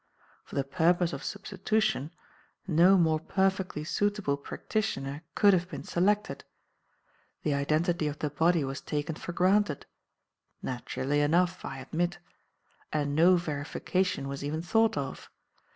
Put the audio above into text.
For the purpose of substitution, no more perfectly suitable practitioner could have been selected. The identity of the body was taken for granted naturally enough, I admit and no verification was even thought of.